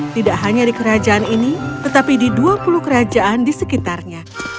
tidak hanya di kerajaan ini tetapi di dua puluh kerajaan di sekitarnya